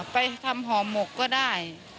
ไปทำห่อหมกก็ได้